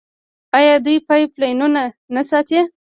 آیا دوی پایپ لاینونه نه ساتي؟